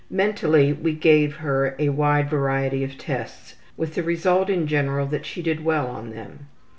Mentally we gave her a wide variety of tests with the result, in general, that she did well on them.